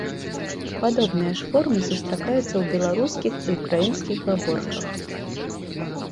Падобныя ж формы сустракаюцца ў беларускіх і ўкраінскіх гаворках.